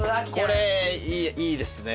これいいですね。